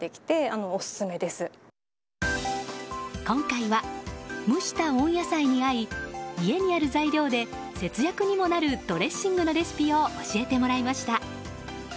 今回は、蒸した温野菜に合い家にある材料で節約にもなるドレッシングのレシピを教えてもらいました。